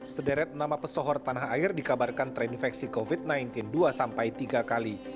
sederet nama pesohor tanah air dikabarkan terinfeksi covid sembilan belas dua sampai tiga kali